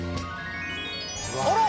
あら！